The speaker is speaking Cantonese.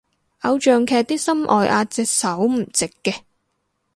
偶像劇啲心外壓隻手唔直嘅